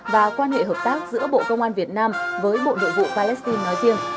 và quan hệ hợp tác giữa bộ công an việt nam với bộ nội vụ palestine nói riêng